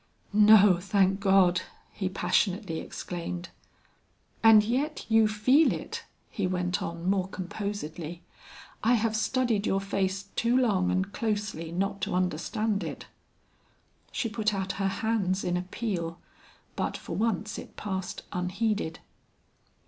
"No, thank God!" he passionately exclaimed. "And yet you feel it," he went on more composedly. "I have studied your face too long and closely not to understand it." She put out her hands in appeal, but for once it passed unheeded.